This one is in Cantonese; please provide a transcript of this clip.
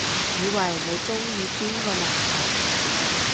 以為你鍾意邊個男神